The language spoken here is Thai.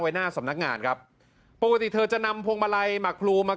หน้าสำนักงานครับปกติเธอจะนำพวงมาลัยหมักพลูมา